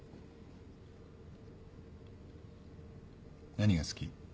何が好き？